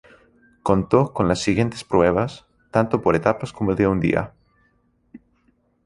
Contó con las siguientes pruebas, tanto por etapas como de un día.